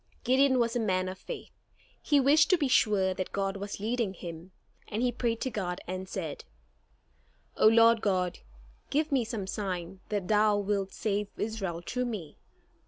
Gideon was a man of faith. He wished to be sure that God was leading him, and he prayed to God and said: "O Lord God, give me some sign that thou wilt save Israel through me.